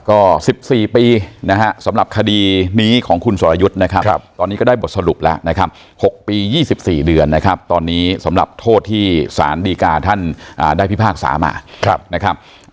ก็๑๔ปีนะฮะสำหรับคดีนี้ของคุณสรยุทธ์นะครับตอนนี้ก็ได้บทสรุปแล้วนะครับ๖ปี๒๔เดือนนะครับตอนนี้สำหรับโทษที่สารดีกาท่านได้พิพากษามานะครับ